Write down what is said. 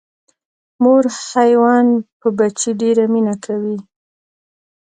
مور حیوان په بچي ډیره مینه کوي